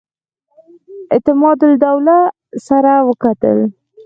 اعتمادالدوله سره وکتل.